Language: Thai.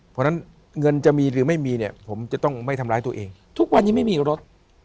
เพราะฉะนั้นเงินจะมีหรือไม่มีเนี่ยผมจะต้องไม่ทำร้ายตัวเองทุกวันนี้ไม่มีรถ